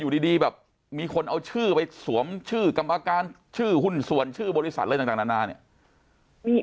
อยู่ดีแบบมีคนเอาชื่อไปสวมชื่อกรรมการชื่อหุ้นส่วนชื่อบริษัทอะไรต่างนานาเนี่ย